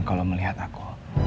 kalau melihat aku